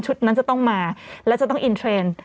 นั้นจะต้องมาและจะต้องอินเทรนด์